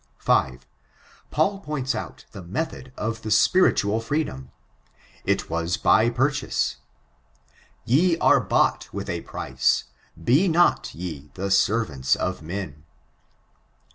5. Paul points out the method of the spiritual fireedom— it was by purchase: "Ye are bought vrith' a price, be not ye the servants of men."